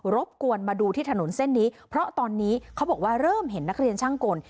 บกวนมาดูที่ถนนเส้นนี้เพราะตอนนี้เขาบอกว่าเริ่มเห็นนักเรียนช่างกล